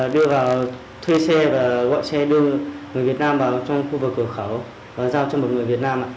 đưa vào thuê xe và gọi xe đưa người việt nam vào trong khu vực cửa khẩu và giao cho một người việt nam